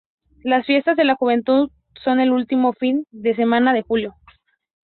Las Fiestas de la Juventud son el último fin de semana de Julio.